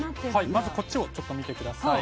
まずこっちをちょっと見て下さい。